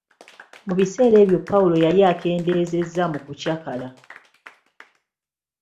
Mu bissera ebyo Pawulo yali akendeezeza mu kukyakala.